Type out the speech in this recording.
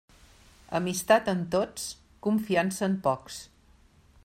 Amistat amb tots, confiança en pocs.